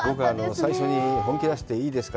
最初に本気出していいですか？